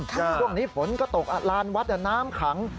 ช่วงนี้ฝนก็ตกลานวัดน้ำขัง